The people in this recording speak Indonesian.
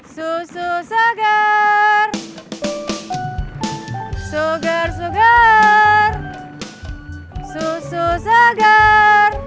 sepuluh awak entreprises untuk ingin meng disciplined padelijk